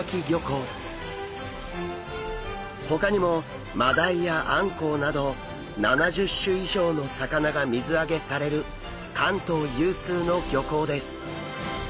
ほかにもマダイやアンコウなど７０種以上の魚が水揚げされる関東有数の漁港です。